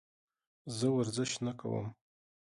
زه ورزش نه کوم.